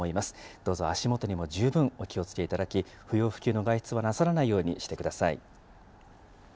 どうぞ足元にも十分お気をつけいただき、不要不急の外出はなさらないようにしてください。